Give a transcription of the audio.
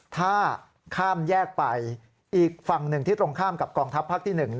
ถ้าข้ามแยกไปอีกฝั่งหนึ่งที่ตรงข้ามกับกองทัพภาคที่๑